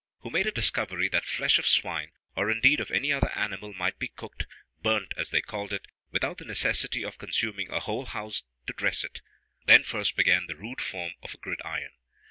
] who made a discovery, that flesh of swine, or indeed of any other animal, might be cooked (burnt, as they called it) without the necessity of consuming a whole house to dress it. Then first began the rude form of a gridiron.